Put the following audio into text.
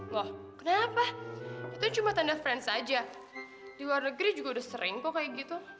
loh kenapa itu cuma tanda friends aja di luar negeri juga udah sering kok kayak gitu